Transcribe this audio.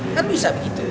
kan bisa begitu